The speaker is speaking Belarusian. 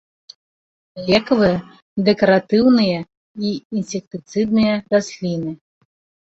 Лекавыя, дэкаратыўныя і інсектыцыдныя расліны.